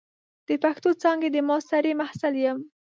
د پښتو څانګې د ماسترۍ محصل یم.